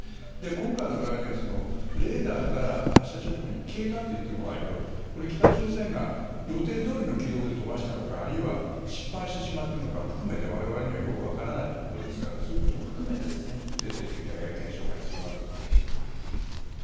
今回の場合はレーダーから発射直後に消えたといっているんですがこれは北朝鮮が予定どおりの軌道で飛ばしたのかあるいは失敗したのかを含めて我々にはよく分からないところなのでそれも含めて徹底的な検証が必要だと思います。